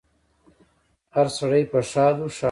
هره سړی په ښادو، ښادو